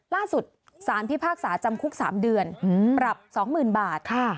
ล่าสุดสารพิพากษาจำคุก๓เดือนปรับ๒๐๐๐บาท